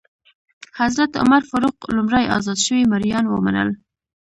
حضرت عمر فاروق لومړی ازاد شوي مریان ومنل.